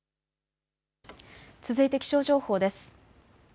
続いて気象情報です。